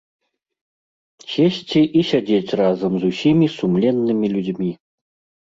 Сесці і сядзець разам з усімі сумленнымі людзьмі.